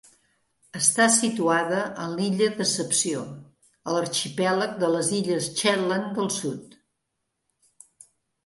Està situada en l'illa Decepció, a l'arxipèlag de les illes Shetland del Sud.